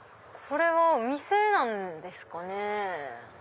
これはお店なんですかね？